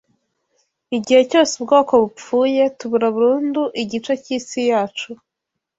Igihe cyose ubwoko bupfuye, tubura burundu igice cyisi yacu.